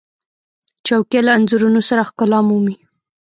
چوکۍ له انځورونو سره ښکلا مومي.